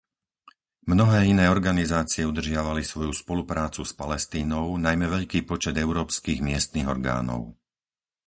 Mnohé iné organizácie udržiavali svoju spoluprácu s Palestínou, najmä veľký počet európskych miestnych orgánov.